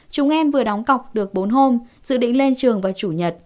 chúng em vừa đóng cọc được bốn hôm dự định lên trường vào chủ nhật